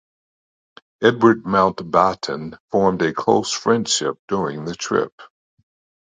Edward and Mountbatten formed a close friendship during the trip.